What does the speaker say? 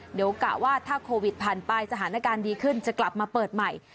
เดี๋ยวกะว่าถ้าโควิดผ่านไปสถานการณ์ดีขึ้นจะกลับมาเปิดใหม่